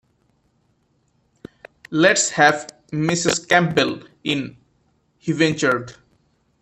"Let's have Mrs. Campbell in," he ventured.